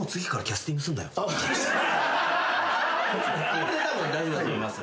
これでたぶん大丈夫だと思います。